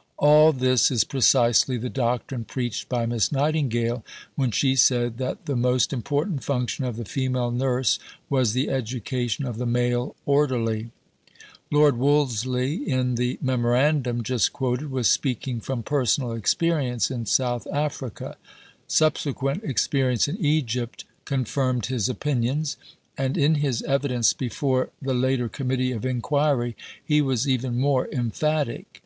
" All this is precisely the doctrine preached by Miss Nightingale when she said that the most important function of the female nurse was the education of the male orderly. Lord Wolseley, in the Memorandum just quoted, was speaking from personal experience in South Africa. Subsequent experience in Egypt confirmed his opinions, and in his evidence before the later Committee of Inquiry he was even more emphatic.